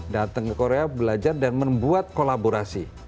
datang ke korea belajar dan membuat kolaborasi